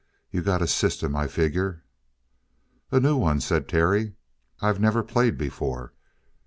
"You got a system, I figure." "A new one," said Terry. "I've never played before."